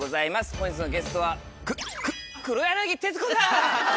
本日のゲストはくく黒柳徹子さん！